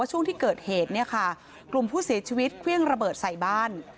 ช่วงที่เกิดเหตุเนี่ยค่ะกลุ่มผู้เสียชีวิตเครื่องระเบิดใส่บ้าน